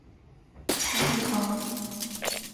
蔡璧煌。